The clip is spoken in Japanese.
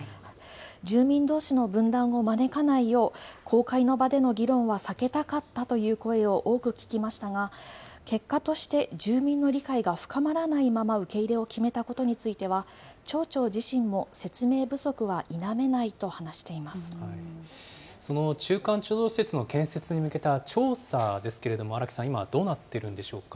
住民どうしの分断を招かないよう、公開の場での議論は避けたかったという声を多く聞きましたが、結果として、住民の理解が深まらないまま受け入れを決めたことについては、町長自身も説明不足は否その中間貯蔵施設の建設に向けた調査ですけれども、荒木さん、今どうなっているんでしょうか。